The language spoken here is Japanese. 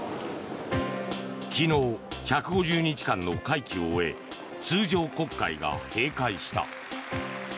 昨日、１５０日間の会期を終え通常国会が閉会した。